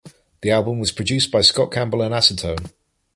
The album was produced by Scott Campbell and Acetone.